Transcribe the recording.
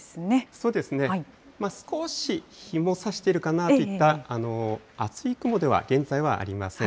そうですね、少し日もさしているかなといった厚い雲では、現在はありません。